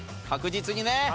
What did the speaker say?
確実にね！